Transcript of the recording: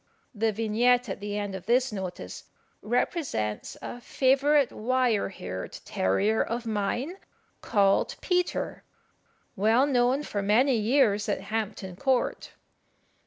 The vignette at the end of this notice represents a favourite wire haired terrier of mine, called Peter, well known for many years at Hampton Court.